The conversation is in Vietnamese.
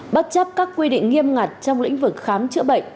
bất chấp các quy định nghiêm ngặt trong lĩnh vực khám chữa bệnh